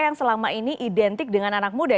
yang selama ini identik dengan anak muda